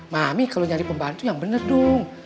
mami kalau nyari pembantu yang bener dong